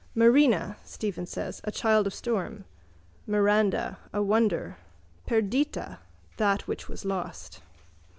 —Marina, Stephen said, a child of storm, Miranda, a wonder, Perdita, that which was lost.